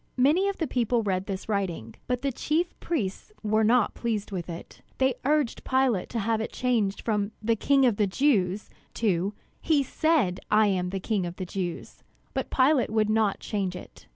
Many of the people read this writing; but the chief priests were not pleased with it. They urged Pilate to have it changed from "The King of the Jews" to "He said, I am King of the Jews." But Pilate would not change it.